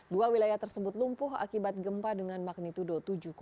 dua wilayah tersebut lumpuh akibat gempa dengan magnitudo tujuh tujuh